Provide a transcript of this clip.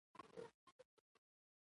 زړه یوازې هغه څوک خوښوي چې مهربان وي.